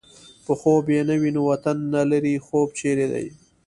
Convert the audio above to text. په خوب يې نه وینو وطن نه لرې خوب چېرې دی